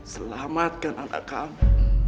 selamatkan anak kami